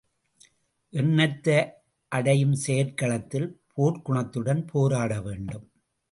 எண்ணத்தை அடையும் செயற்களத்தில் போர்க்குணத்துடன் போராட வேண்டும்.